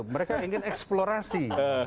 mereka ingin eksplorasi